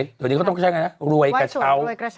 เดี๋ยวนี้เขาต้องกระเช้าไงนะไหว้สวยไหว้กระเช้า